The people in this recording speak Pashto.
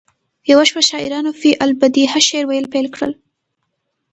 یوه شپه شاعرانو فی البدیهه شعر ویل پیل کړل